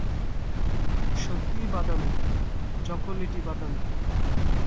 সত্যিই বাদামী, চকোলেটি বাদামী।